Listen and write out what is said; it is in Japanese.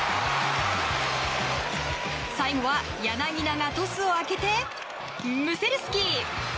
最後は柳田がトスを上げてムセルスキー。